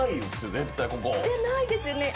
絶対ここないですよね